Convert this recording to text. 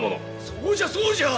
そうじゃそうじゃ！